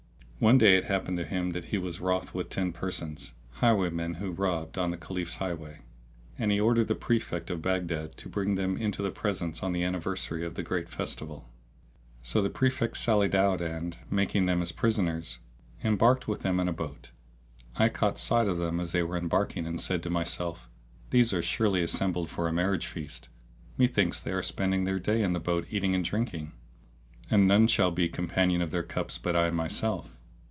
One day it happened to him that he was wroth with ten persons, highwaymen who robbed on the Caliph's highway, and he ordered the Prefect of Baghdad to bring them into the presence on the anniversary of the Great Festival.[FN#633] So the Prefect sallied out and, making them His prisoners, embarked with them in a boat. I caught sight of them as they were embarking and said to myself, "These are surely assembled for a marriage feast; methinks they are spending their day in that boat eating and drinking, and none shall be companion of their cups but I myself."